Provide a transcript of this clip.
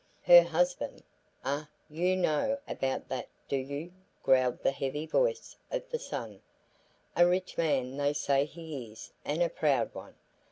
"Her husband? ah, you know about that do you?" growled the heavy voice of the son. "A rich man they say he is and a proud one.